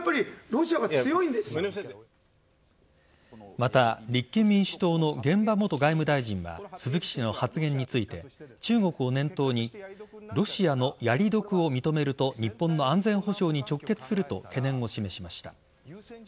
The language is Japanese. また、立憲民主党の玄葉元外務大臣は鈴木氏の発言について中国を念頭にロシアのやり得を認めると日本の安全保障に直結すると懸念を示しました。